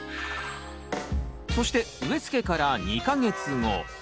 そして植え付けから２か月後。